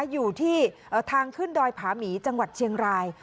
อยู่ที่ทางขึ้นดอยผาหมีจังหวัดเชียงราย